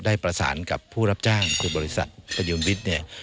ได้ประสานกับผู้รับจ้างกลุ่มบริษัทประยุณวิทย์